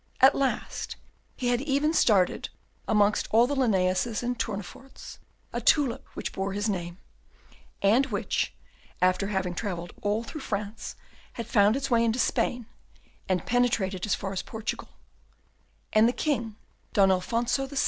At last he had even started amongst all the Linnaeuses and Tourneforts a tulip which bore his name, and which, after having travelled all through France, had found its way into Spain, and penetrated as far as Portugal; and the King, Don Alfonso VI.